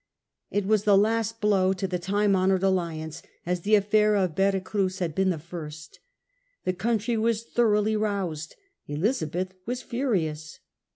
It was the last blow to the time honoured alliance, as the affitir of Vera Cruz had been the first The country was thoroughly roused. Elizabeth was furious.